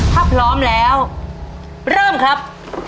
ถ้าพร้อมแล้วเริ่มครับ